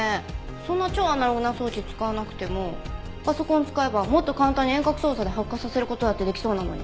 そんな超アナログな装置使わなくてもパソコン使えばもっと簡単に遠隔操作で発火させる事だって出来そうなのに。